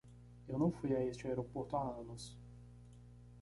Eu não fui a este aeroporto há anos.